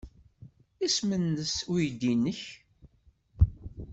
Isem-nnes uydi-nnek?